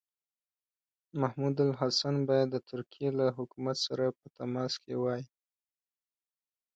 محمودالحسن باید د ترکیې له حکومت سره په تماس کې وای.